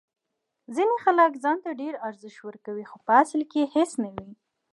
ځینې خلک ځان ته ډیر ارزښت ورکوي خو په اصل کې هیڅ نه وي.